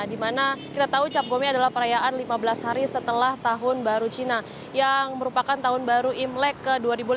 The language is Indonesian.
dimana kita tahu cap gome adalah perayaan lima belas hari setelah tahun baru cina yang merupakan tahun baru imlek ke dua ribu lima belas